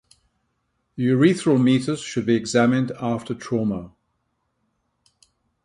The urethral meatus should be examined after trauma.